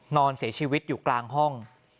นอนเสียชีวิตอยู่กลางห้อง